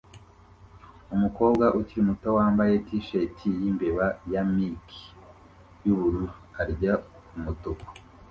Umukobwa ukiri muto wambaye t-shirt yimbeba ya mickey yubururu arya umutuku